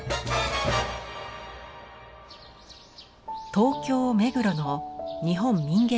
東京目黒の日本民藝館。